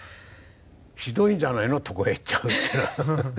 ひどいんじゃないの床屋へ行っちゃうってのは。